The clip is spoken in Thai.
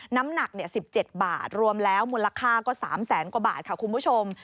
น้ำหนัก๑๗บาทรวมแล้วมูลค่าก็๓แสนกว่าบาทค่ะคุณผู้ชม